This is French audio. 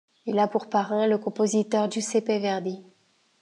Il a pour parrain le compositeur Giuseppe Verdi.